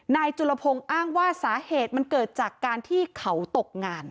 นายจุลพงศ์อ้างว่าสาเหตุมันเกิดจากการที่เขาตกงาน